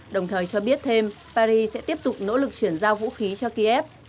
đồng thời cho biết thêm paris sẽ tiếp tục nỗ lực chuyển giao vũ khí cho kiev